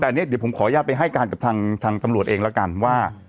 แต่อันนี้เดี๋ยวผมขออนุญาตไปให้การกับทางตำรวจเองแล้วกันว่า